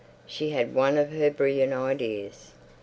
She had one of her brilliant ideas.